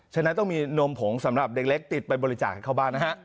ฉะนั้นต้องมีนมผงสำหรับเด็กเล็กติดไปบริจาคให้เข้าบ้านนะฮะ